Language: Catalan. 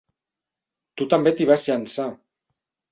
Tu també t'hi vas llançar!